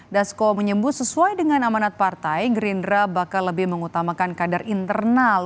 dasko menyebut sesuai dengan amanat partai gerindra bakal lebih mengutamakan kader internal